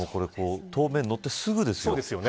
東名に乗って、すぐですよね。